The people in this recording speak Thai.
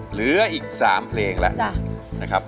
เหลืออีกสามเพลงแล้วนะครับจ้ะ